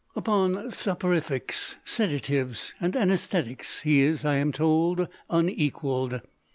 Upon soporifics, sedatives, and anaesthetics he is, I am told, unequalled.